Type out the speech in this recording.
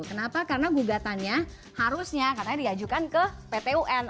kenapa karena gugatannya harusnya karena diajukan ke pt us